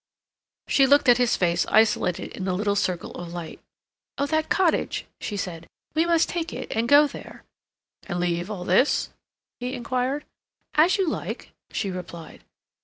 She looked at his face isolated in the little circle of light. "Oh, that cottage," she said. "We must take it and go there." "And leave all this?" he inquired. "As you like," she replied.